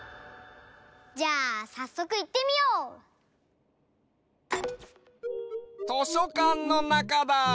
じゃあさっそくいってみよう！としょかんのなかだ！